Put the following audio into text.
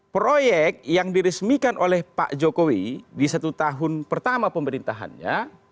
proyek yang diresmikan oleh pak jokowi di satu tahun pertama pemerintahannya